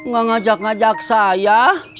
gak ngajak ngajak saya